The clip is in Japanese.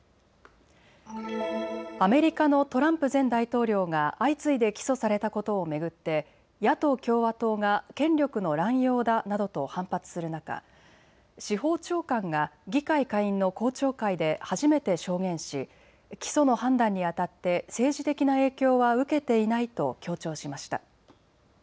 アメリカのトランプ前大統領が相次いで起訴されたことを巡って野党・共和党が権力の乱用だなどと反発する中、司法長官が議会下院の公聴会で初めて証言し、起訴の判断にあたって政治的な影響は受けていないと強調しました。